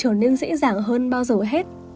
trở nên dễ dàng hơn bao giờ hết